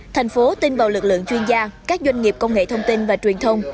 thành phố tin vào lực lượng chuyên gia các doanh nghiệp công nghệ thông tin và truyền thông